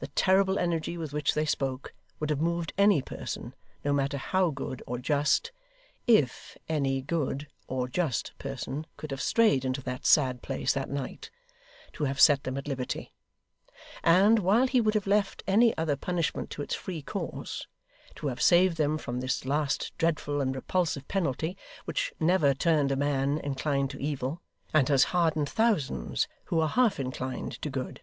The terrible energy with which they spoke, would have moved any person, no matter how good or just (if any good or just person could have strayed into that sad place that night), to have set them at liberty: and, while he would have left any other punishment to its free course, to have saved them from this last dreadful and repulsive penalty; which never turned a man inclined to evil, and has hardened thousands who were half inclined to good.